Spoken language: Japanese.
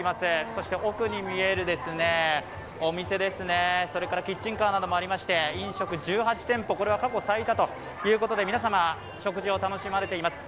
そして奥に見えるお店、それからキッチンカーなどもありまして飲食１８店舗と、これは過去最多ということで皆様、食事を楽しまれています。